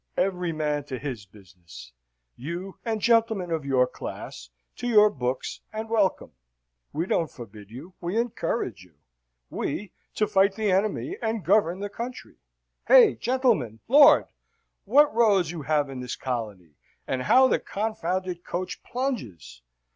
Every man to his business. You, and gentlemen of your class, to your books, and welcome. We don't forbid you; we encourage you. We, to fight the enemy and govern the country. Hey, gentlemen? Lord! what roads you have in this colony, and how this confounded coach plunges!